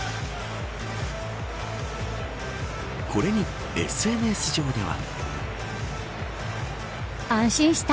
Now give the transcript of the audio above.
これに、ＳＮＳ上では。